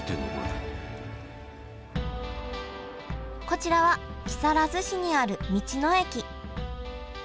こちらは木更津市にある道の駅。